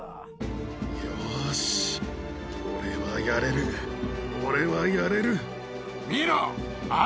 よし俺はやれる俺はやれる。